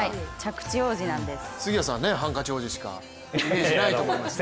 杉谷さんはハンカチ王子しかイメージないと思いますけど。